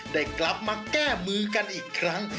ได้กลับมาแก้มือกันอีกครั้ง